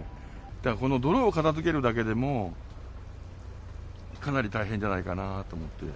だから、この泥を片づけるだけでも、かなり大変じゃないかなと思って。